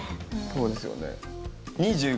そうですよね。